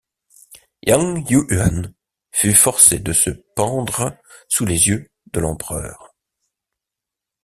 Yang Yuhuan fut forcée de se pendre sous les yeux de l'empereur.